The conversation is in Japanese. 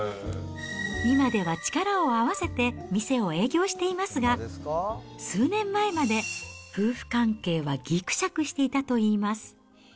今では力を合わせて、店を営業していますが、数年前まで、夫婦関係はぎくしゃくしていたといいます。